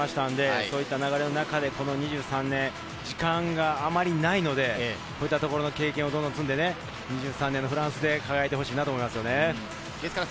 そういった流れの中で２３年、時間があんまりないので、こういった経験をどんどん積んで２３年のフランスで輝いてほしいと思います。